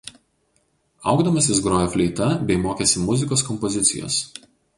Augdamas jis grojo fleita bei mokėsi muzikos kompozicijos.